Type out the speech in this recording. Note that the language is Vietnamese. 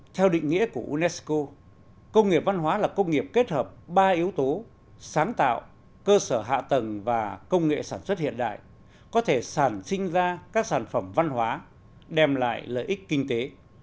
theo định nghĩa của unesco công nghiệp văn hóa là công nghiệp kết hợp ba yếu tố sáng tạo cơ sở hạ tầng và công nghệ sản xuất hiện đại có thể sản sinh ra các sản phẩm văn hóa đem lại lợi ích kinh tế